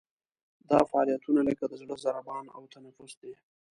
دا فعالیتونه لکه د زړه ضربان او تنفس دي.